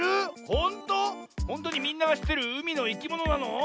ほんとにみんながしってるうみのいきものなの？